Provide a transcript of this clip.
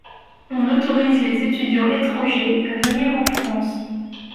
On autorise les étudiants étrangers à venir en France.